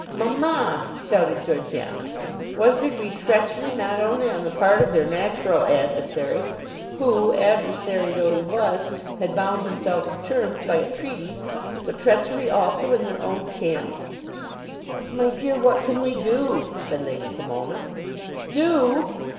"Mamma!" shouted Georgiana. Was there to be treachery not only on the part of their natural adversary, who, adversary though he was, had bound himself to terms by a treaty, but treachery also in their own camp! "My dear, what can we do?" said Lady Pomona. "Do!"